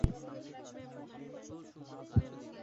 তিন্নি বলল, দাঁড়িয়ে আছেন কেন?